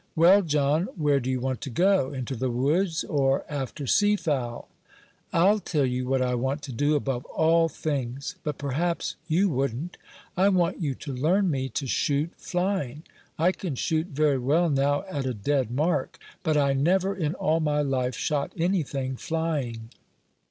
"Well, John, where do you want to go? into the woods, or after sea fowl?" "I'll tell you what I want to do, above all things; but perhaps you wouldn't; I want you to learn me to shoot flying. I can shoot very well now at a dead mark; but I never, in all my life, shot anything flying."